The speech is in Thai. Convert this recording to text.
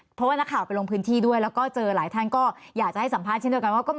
เพราะว่านักข่าวไปลงพื้นที่ด้วยแล้วก็เจอหลายท่านก็อยากจะให้สัมภาษณ์เช่นเดียวกันว่า